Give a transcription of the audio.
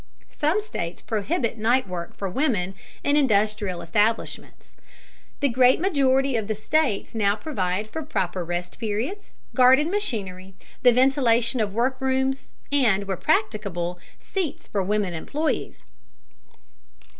Some states prohibit night work for women in industrial establishments. The great majority of the states now provide for proper rest periods, guarded machinery, the ventilation of workrooms, and, where practicable, seats for women employees.